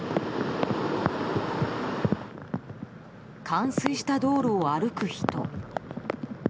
冠水した道路を歩く人。